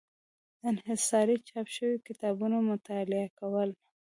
انحصاري چاپ شوي کتابونه مطالعه کول.